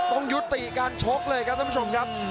ต้องยุติการชกเลยครับท่านผู้ชมครับ